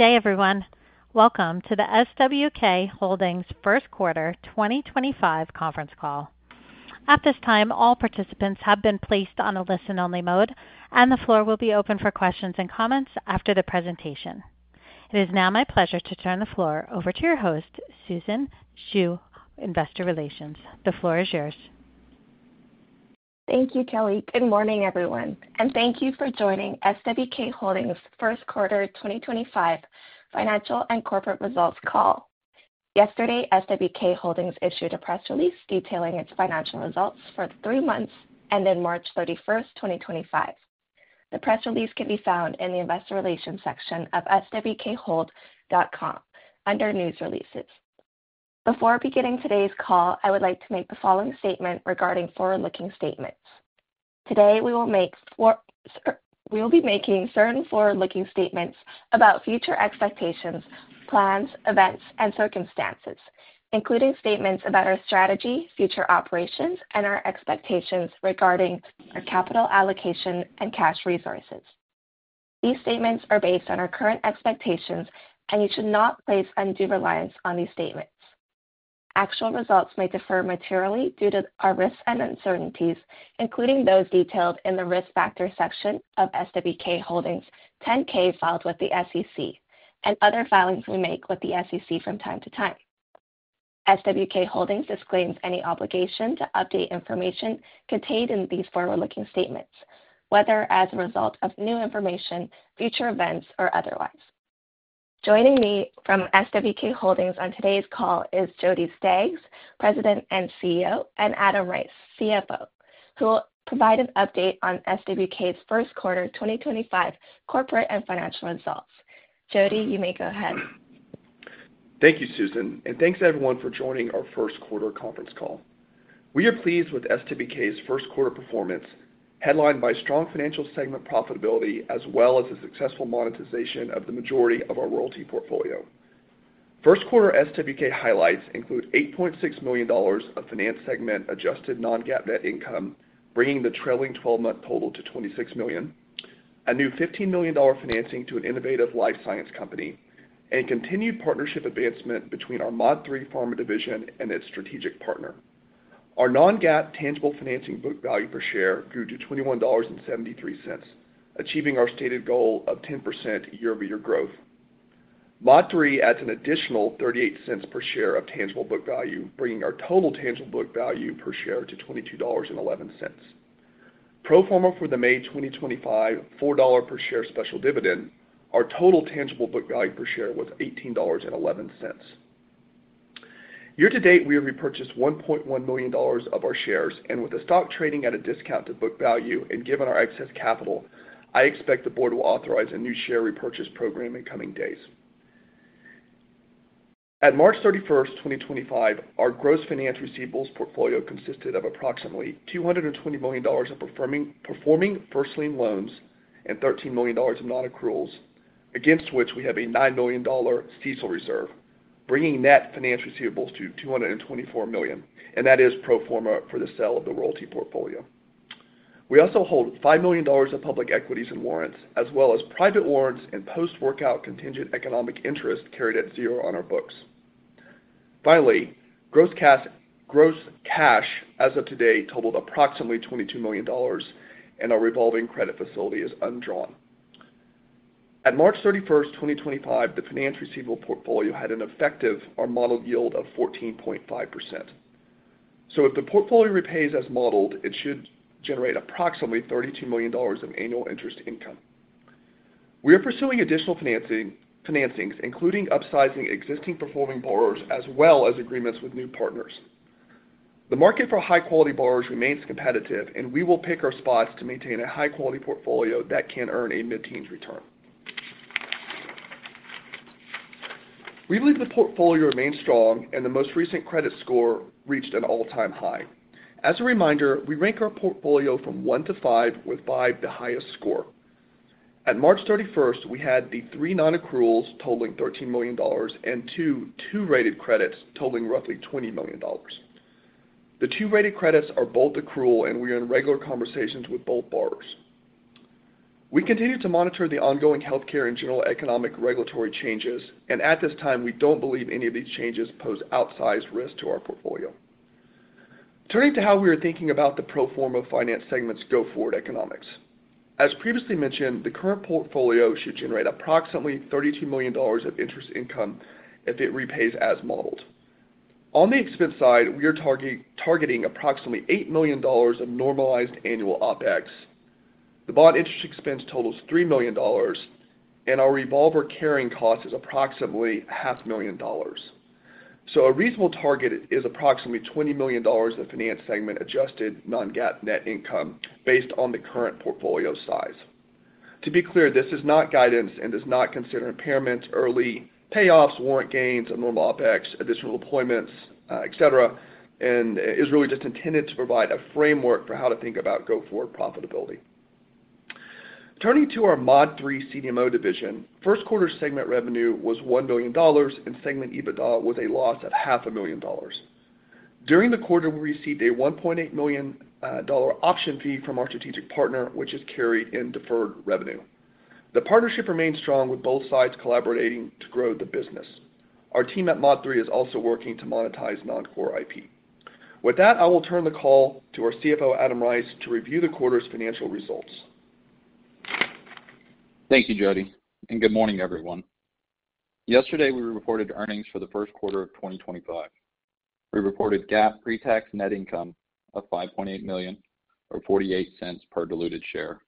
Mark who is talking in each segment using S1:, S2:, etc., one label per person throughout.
S1: Okay, everyone. Welcome to the SWK Holdings' first quarter 2025 conference call. At this time, all participants have been placed on a listen-only mode, and the floor will be open for questions and comments after the presentation. It is now my pleasure to turn the floor over to your host, Susan Xu, Investor Relations. The floor is yours.
S2: Thank you, Kelly. Good morning, everyone, and thank you for joining SWK Holdings' First Quarter 2025 Financial and Corporate Results Call. Yesterday, SWK Holdings issued a press release detailing its financial results for the three months ended March 31st, 2025. The press release can be found in the Investor Relations section of swkhold.com under News Releases. Before beginning today's call, I would like to make the following statement regarding forward-looking statements. Today, we will make certain forward-looking statements about future expectations, plans, events, and circumstances, including statements about our strategy, future operations, and our expectations regarding our capital allocation and cash resources. These statements are based on our current expectations, and you should not place undue reliance on these statements. Actual results may differ materially due to our risks and uncertainties, including those detailed in the risk factor section of SWK Holdings 10-K filed with the SEC and other filings we make with the SEC from time to time. SWK Holdings disclaims any obligation to update information contained in these forward-looking statements, whether as a result of new information, future events, or otherwise. Joining me from SWK Holdings on today's call is Jody Staggs, President and CEO, and Adam Rice, CFO, who will provide an update on SWK's first quarter 2025 corporate and financial results. Jody, you may go ahead.
S3: Thank you, Susan, and thanks, everyone, for joining our first quarter conference call. We are pleased with SWK's first quarter performance, headlined by strong financial segment profitability, as well as the successful monetization of the majority of our royalty portfolio. First quarter SWK highlights include $8.6 million of finance segment adjusted non-GAAP net income, bringing the trailing 12-month total to $26 million, a new $15 million financing to an innovative life science company, and continued partnership advancement between our MOD3 Pharma division and its strategic partner. Our non-GAAP tangible financing book value per share grew to $21.73, achieving our stated goal of 10% year-over-year growth. MOD3 adds an additional $0.38 per share of tangible book value, bringing our total tangible book value per share to $22.11. Pro forma for the May 2025 $4 per share special dividend, our total tangible book value per share was $18.11. Year-to-date, we have repurchased $1.1 million of our shares, and with the stock trading at a discount to book value and given our excess capital, I expect the board will authorize a new share repurchase program in coming days. At March 31st, 2025, our gross finance receivables portfolio consisted of approximately $220 million of performing first lien loans and $13 million of non-accruals, against which we have a $9 million CECL reserve, bringing net finance receivables to $224 million, and that is pro forma for the sale of the royalty portfolio. We also hold $5 million of public equities and warrants, as well as private warrants and post-workout contingent economic interest carried at zero on our books. Finally, gross cash as of today totaled approximately $22 million, and our revolving credit facility is undrawn. At March 31st, 2025, the finance receivable portfolio had an effective or modeled yield of 14.5%. If the portfolio repays as modeled, it should generate approximately $32 million of annual interest income. We are pursuing additional financings, including upsizing existing performing borrowers as well as agreements with new partners. The market for high-quality borrowers remains competitive, and we will pick our spots to maintain a high-quality portfolio that can earn a mid-teens return. We believe the portfolio remains strong, and the most recent credit score reached an all-time high. As a reminder, we rank our portfolio from one to five with five the highest score. At March 31st, we had the three non-accruals totaling $13 million and two two-rated credits totaling roughly $20 million. The two-rated credits are both accrual, and we are in regular conversations with both borrowers. We continue to monitor the ongoing healthcare and general economic regulatory changes, and at this time, we don't believe any of these changes pose outsized risk to our portfolio. Turning to how we are thinking about the pro forma finance segment's go forward economics. As previously mentioned, the current portfolio should generate approximately $32 million of interest income if it repays as modeled. On the expense side, we are targeting approximately $8 million of normalized annual OpEx. The bond interest expense totals $3 million, and our revolver carrying cost is approximately $500,000. A reasonable target is approximately $20 million of finance segment adjusted non-GAAP net income based on the current portfolio size. To be clear, this is not guidance and does not consider impairments, early payoffs, warrant gains, abnormal OpEx, additional deployments, etc., and is really just intended to provide a framework for how to think about go forward profitability. Turning to our MOD3 CDMO division, first quarter segment revenue was $1 million, and segment EBITDA was a loss of $500,000. During the quarter, we received a $1.8 million option fee from our strategic partner, which is carried in deferred revenue. The partnership remains strong, with both sides collaborating to grow the business. Our team at MOD3 is also working to monetize non-core IP. With that, I will turn the call to our CFO, Adam Rice, to review the quarter's financial results.
S4: Thank you, Jody, and good morning, everyone. Yesterday, we reported earnings for the first quarter of 2025. We reported GAAP pre-tax net income of $5.8 million, or $0.48 per diluted share.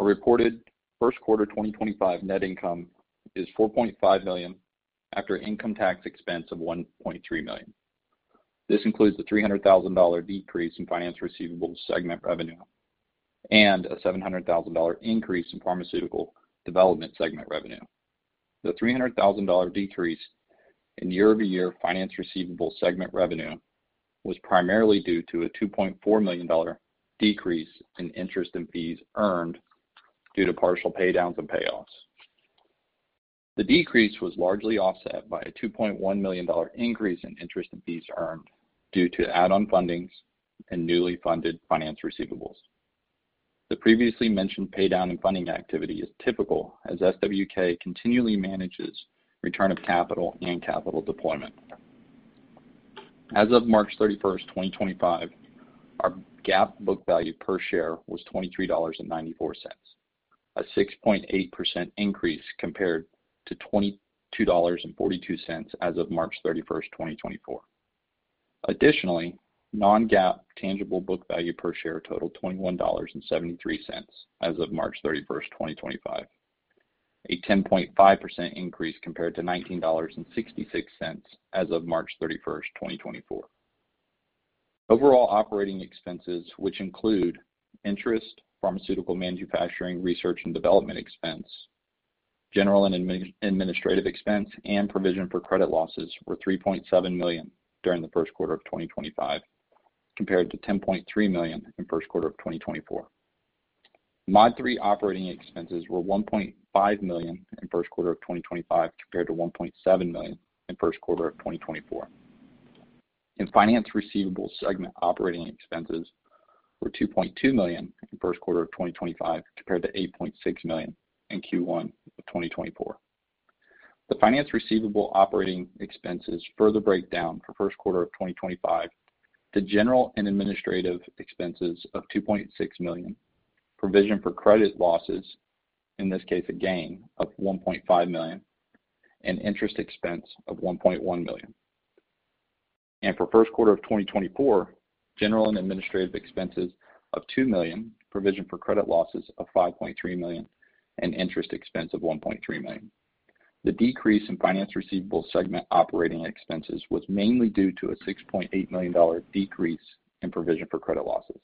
S4: Our reported first quarter 2025 net income is $4.5 million after income tax expense of $1.3 million. This includes a $300,000 decrease in finance receivables segment revenue and a $700,000 increase in pharmaceutical development segment revenue. The $300,000 decrease in year-over-year finance receivables segment revenue was primarily due to a $2.4 million decrease in interest and fees earned due to partial paydowns and payoffs. The decrease was largely offset by a $2.1 million increase in interest and fees earned due to add-on fundings and newly funded finance receivables. The previously mentioned paydown and funding activity is typical as SWK continually manages return of capital and capital deployment. As of March 31st, 2025, our GAAP book value per share was $23.94, a 6.8% increase compared to $22.42 as of March 31st, 2024. Additionally, non-GAAP tangible book value per share totaled $21.73 as of March 31st, 2025, a 10.5% increase compared to $19.66 as of March 31st, 2024. Overall operating expenses, which include interest, pharmaceutical manufacturing, research and development expense, general and administrative expense, and provision for credit losses, were $3.7 million during the first quarter of 2025, compared to $10.3 million in the first quarter of 2024. MOD3 operating expenses were $1.5 million in the first quarter of 2025, compared to $1.7 million in the first quarter of 2024. In finance receivables segment, operating expenses were $2.2 million in the first quarter of 2025, compared to $8.6 million in Q1 of 2024. The finance receivable operating expenses further break down for the first quarter of 2025 to general and administrative expenses of $2.6 million, provision for credit losses, in this case a gain of $1.5 million, and interest expense of $1.1 million. For the first quarter of 2024, general and administrative expenses of $2 million, provision for credit losses of $5.3 million, and interest expense of $1.3 million. The decrease in finance receivables segment operating expenses was mainly due to a $6.8 million decrease in provision for credit losses.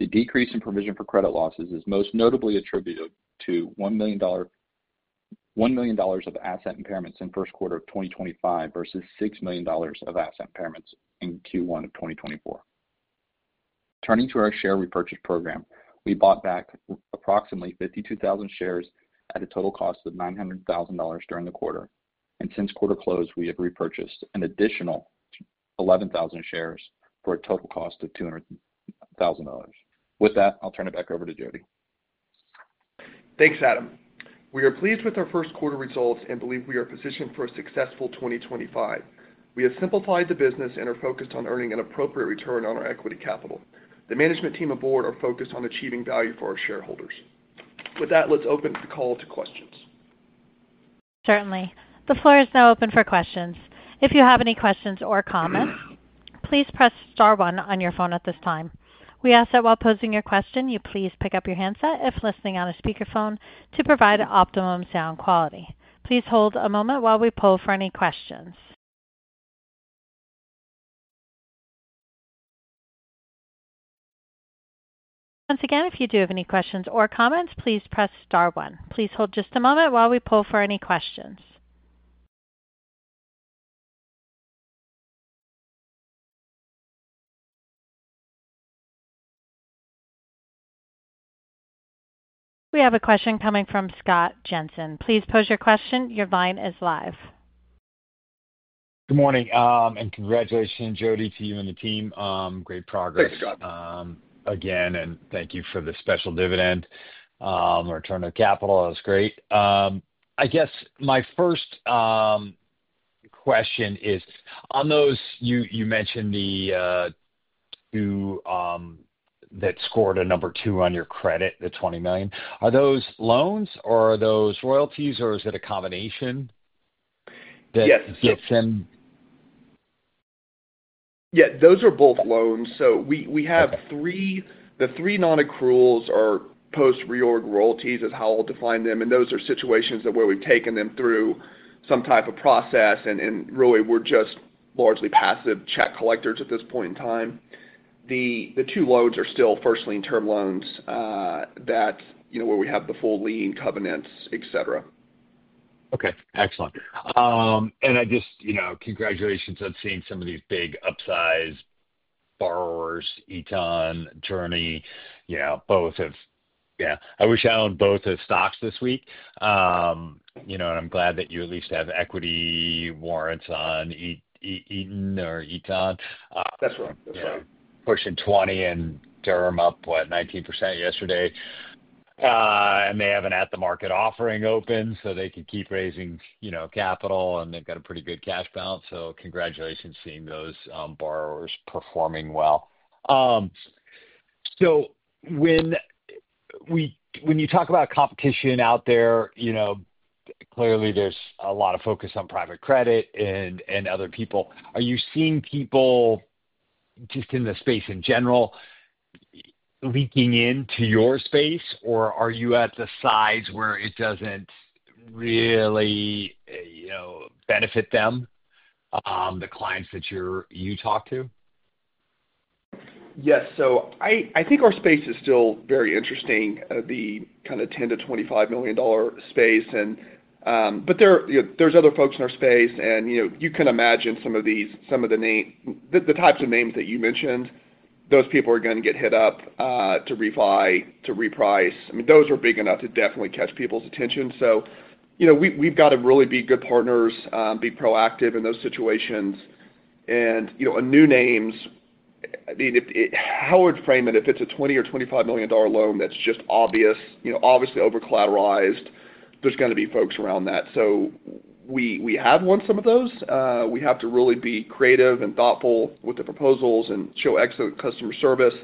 S4: The decrease in provision for credit losses is most notably attributed to $1 million of asset impairments in the first quarter of 2025 versus $6 million of asset impairments in Q1 of 2024. Turning to our share repurchase program, we bought back approximately 52,000 shares at a total cost of $900,000 during the quarter, and since quarter close, we have repurchased an additional 11,000 shares for a total cost of $200,000. With that, I'll turn it back over to Jody.
S3: Thanks, Adam. We are pleased with our first quarter results and believe we are positioned for a successful 2025. We have simplified the business and are focused on earning an appropriate return on our equity capital. The management team and board are focused on achieving value for our shareholders. With that, let's open the call to questions.
S1: Certainly. The floor is now open for questions. If you have any questions or comments, please press star one on your phone at this time. We ask that while posing your question, you please pick up your handset if listening on a speakerphone to provide optimum sound quality. Please hold a moment while we poll for any questions. Once again, if you do have any questions or comments, please press star one. Please hold just a moment while we poll for any questions. We have a question coming from Scott Jensen. Please pose your question. Your line is live. Good morning, and congratulations, Jody, to you and the team. Great progress.
S3: Thanks, Scott. Again, and thank you for the special dividend or return of capital. That was great. I guess my first question is, on those you mentioned the two that scored a number two on your credit, the $20 million, are those loans or are those royalties or is it a combination that gets them? Yes. Yeah, those are both loans. We have the three non-accruals are post-reorg royalties, is how I'll define them, and those are situations where we've taken them through some type of process, and really we're just largely passive check collectors at this point in time. The two loans are still first lien term loans that where we have the full lien covenants, etc. Okay. Excellent. I just congratulations on seeing some of these big upsize borrowers, Eton, Journey, both have, yeah, I wish I owned both those stocks this week, and I'm glad that you at least have equity warrants on Eton. That's right. That's right. Pushing 20 and DERM up, what, 19% yesterday, and they have an at-the-market offering open so they can keep raising capital, and they've got a pretty good cash balance, so congratulations seeing those borrowers performing well. When you talk about competition out there, clearly there's a lot of focus on private credit and other people. Are you seeing people just in the space in general leaking into your space, or are you at the size where it doesn't really benefit them, the clients that you talk to? Yes. I think our space is still very interesting, the kind of $10 million-$25 million space, but there are other folks in our space, and you can imagine some of the types of names that you mentioned, those people are going to get hit up to refi, to reprice. I mean, those are big enough to definitely catch people's attention. We have to really be good partners, be proactive in those situations, and new names, how would you frame it? If it is a $20 million or $25 million loan that is just obviously over-collateralized, there are going to be folks around that. We have won some of those. We have to really be creative and thoughtful with the proposals and show excellent customer service.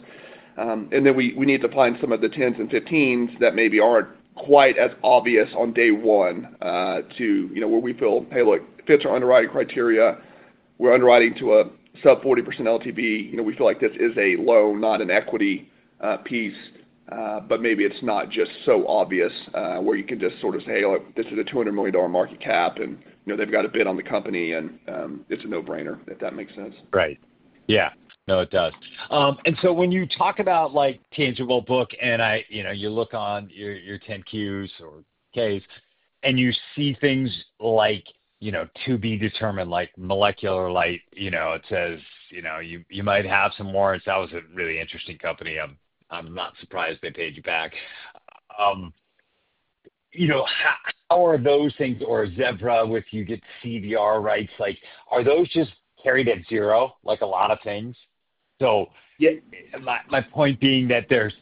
S3: We need to find some of the tens and fifteens that maybe are not quite as obvious on day one to where we feel, "Hey, look, if it fits our underwriting criteria, we are underwriting to a sub 40% LTV. We feel like this is a loan, not an equity piece, but maybe it is not just so obvious where you can just sort of say, 'Hey, look, this is a $200 million market cap, and they have got a bid on the company, and it is a no-brainer,'" if that makes sense. Right. Yeah. No, it does. And so when you talk about tangible book and you look on your 10-Qs or Ks and you see things to be determined, like MolecuLight, it says you might have some warrants. That was a really interesting company. I'm not surprised they paid you back. How are those things or Zevra, if you get CVR rights, are those just carried at zero, like a lot of things? My point being that there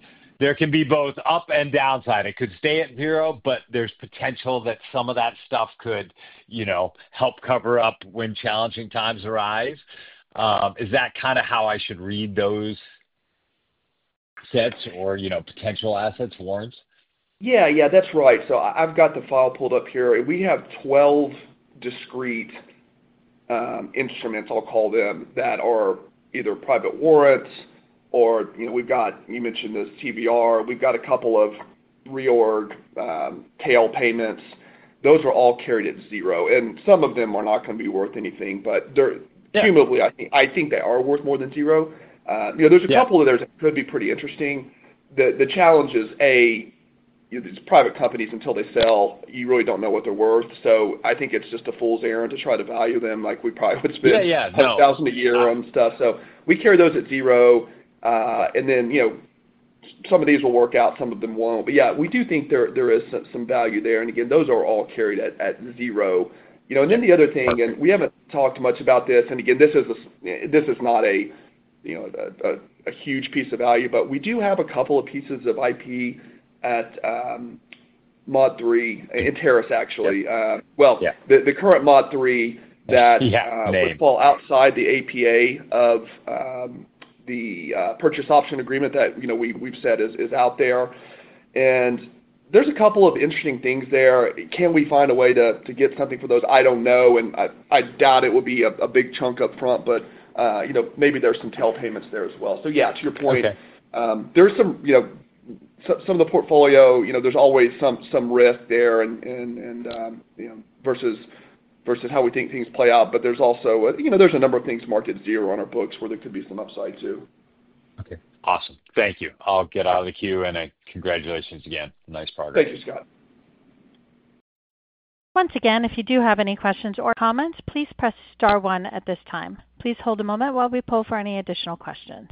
S3: can be both up and downside. It could stay at zero, but there's potential that some of that stuff could help cover up when challenging times arise. Is that kind of how I should read those sets or potential assets warrants? Yeah. Yeah. That's right. So I've got the file pulled up here. We have 12 discrete instruments, I'll call them, that are either private warrants or we've got, you mentioned this, CVR. We've got a couple of reorg tail payments. Those are all carried at zero. And some of them are not going to be worth anything, but cumulatively, I think they are worth more than zero. There's a couple of those that could be pretty interesting. The challenge is, A, these private companies, until they sell, you really don't know what they're worth. I think it's just a fool's errand to try to value them like we probably would spend $10,000 a year on stuff. We carry those at zero, and then some of these will work out, some of them won't. Yeah, we do think there is some value there. Those are all carried at zero. The other thing, and we have not talked much about this, and this is not a huge piece of value, but we do have a couple of pieces of IP at MOD3, Enteris, actually. The current MOD3 that would fall outside the APA of the purchase option agreement that we have said is out there. There are a couple of interesting things there. Can we find a way to get something for those? I do not know, and I doubt it would be a big chunk upfront, but maybe there are some tail payments there as well. To your point, there is some of the portfolio, there is always some risk there versus how we think things play out, but there are also a number of things marked at zero on our books where there could be some upside too. Okay. Awesome. Thank you. I'll get out of the queue, and congratulations again. Nice progress. Thank you, Scott.
S1: Once again, if you do have any questions or comments, please press star one at this time. Please hold a moment while we poll for any additional questions.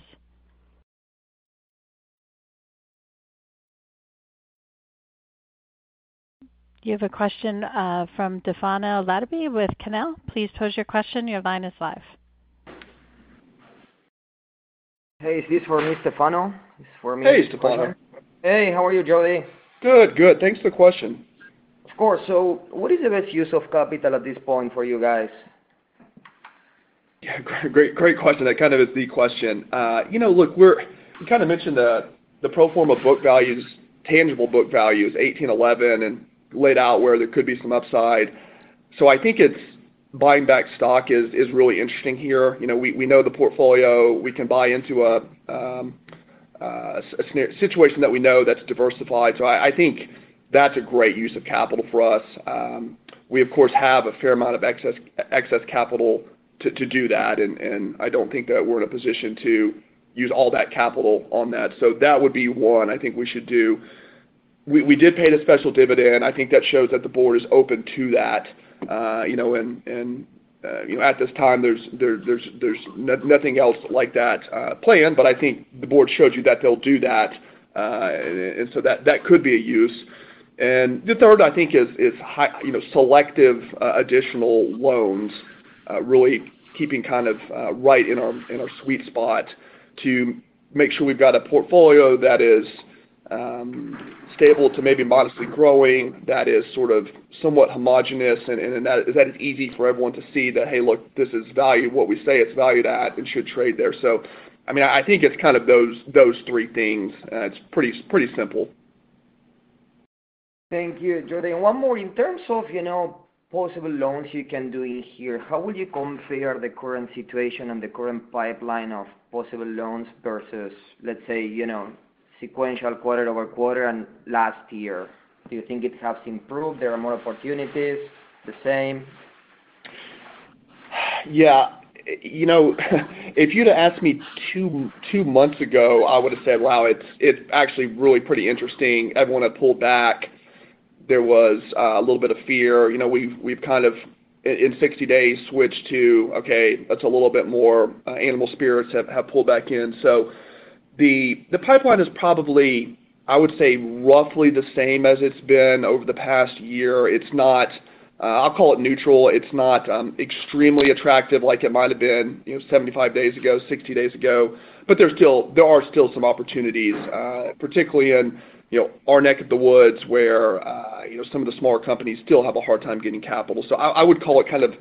S1: You have a question from Stefano Latepy with Cannell. Please pose your question. Your line is live.
S5: Hey, is this for me, Stefano? It's for me.
S3: Hey, Stefano.
S5: Hey, how are you, Jody?
S3: Good. Good. Thanks for the question.
S5: Of course. What is the best use of capital at this point for you guys?
S3: Yeah. Great question. That kind of is the question. Look, we kind of mentioned the pro forma book values, tangible book values, $18, $11, and laid out where there could be some upside. I think buying back stock is really interesting here. We know the portfolio. We can buy into a situation that we know that's diversified. I think that's a great use of capital for us. We, of course, have a fair amount of excess capital to do that, and I do not think that we're in a position to use all that capital on that. That would be one I think we should do. We did pay the special dividend. I think that shows that the board is open to that. At this time, there's nothing else like that planned, but I think the board showed you that they'll do that, and that could be a use. The third, I think, is selective additional loans, really keeping kind of right in our sweet spot to make sure we've got a portfolio that is stable to maybe modestly growing, that is sort of somewhat homogenous, and that it's easy for everyone to see that, "Hey, look, this is valued what we say it's valued at and should trade there." I mean, I think it's kind of those three things. It's pretty simple.
S5: Thank you, Jody. One more. In terms of possible loans you can do in here, how would you compare the current situation and the current pipeline of possible loans versus, let's say, sequential quarter over quarter and last year? Do you think it has improved? There are more opportunities, the same?
S3: Yeah. If you'd have asked me two months ago, I would have said, "Wow, it's actually really pretty interesting. I want to pull back." There was a little bit of fear. We've kind of, in 60 days, switched to, "Okay, that's a little bit more animal spirits have pulled back in." The pipeline is probably, I would say, roughly the same as it's been over the past year. I'll call it neutral. It's not extremely attractive like it might have been 75 days ago, 60 days ago, but there are still some opportunities, particularly in our neck of the woods where some of the smaller companies still have a hard time getting capital. I would call it kind of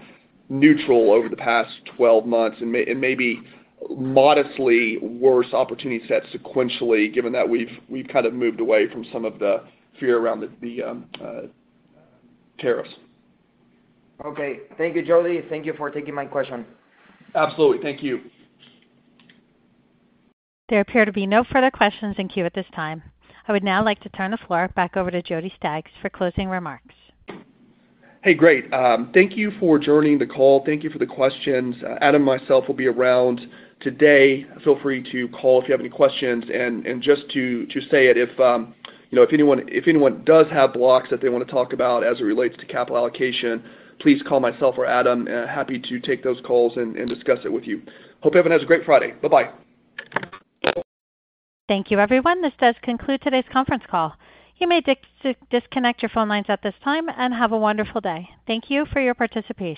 S3: neutral over the past 12 months and maybe modestly worse opportunity sets sequentially, given that we've kind of moved away from some of the fear around the tariffs.
S5: Okay. Thank you, Jody. Thank you for taking my question.
S3: Absolutely. Thank you.
S1: There appear to be no further questions in queue at this time. I would now like to turn the floor back over to Jody Staggs for closing remarks.
S3: Hey, great. Thank you for joining the call. Thank you for the questions. Adam and myself will be around today. Feel free to call if you have any questions. If anyone does have blocks that they want to talk about as it relates to capital allocation, please call myself or Adam. Happy to take those calls and discuss it with you. Hope everyone has a great Friday. Bye-bye.
S1: Thank you, everyone. This does conclude today's conference call. You may disconnect your phone lines at this time and have a wonderful day. Thank you for your participation.